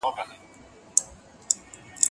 زه اوږده وخت چپنه پاکوم،